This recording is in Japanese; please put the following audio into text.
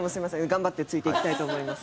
頑張ってついていきたいと思います。